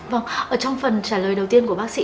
vâng ở trong phần trả lời đầu tiên của bác sĩ